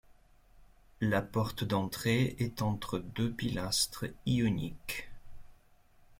La porte d’entrée est entre deux pilastres ioniques.